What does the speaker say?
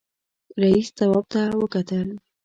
رئيسې تواب ته وکتل.